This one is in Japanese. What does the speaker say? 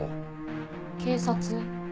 警察？